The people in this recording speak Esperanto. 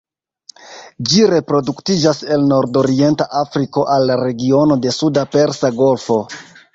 Ĝi reproduktiĝas el nordorienta Afriko al la regiono de suda Persa Golfo.